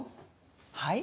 はい？